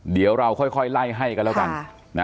เดี๋ยวเราค่อยไล่ให้กันแล้วกัน